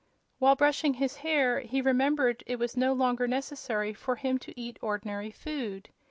While brushing his hair he remembered it was no longer necessary for him to eat ordinary food.